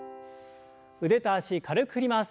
腕と脚軽く振ります。